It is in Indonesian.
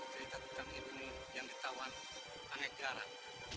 saya takutkan ibu yang ditawan angget garang